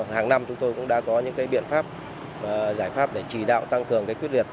hàng năm chúng tôi cũng đã có những biện pháp giải pháp để chỉ đạo tăng cường quyết liệt